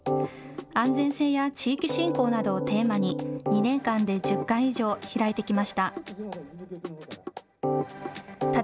安全性や地域振興などをテーマに、２年間で１０回以上開いてきました。